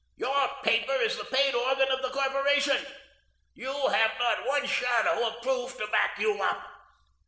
Your paper is the paid organ of the corporation. You have not one shadow of proof to back you up.